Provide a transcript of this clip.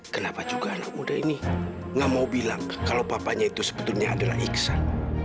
kenapa juga anak muda ini gak mau bilang kalau papanya itu sebetulnya adalah iksan